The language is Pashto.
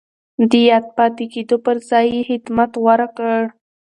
د ياد پاتې کېدو پر ځای يې خدمت غوره کړ.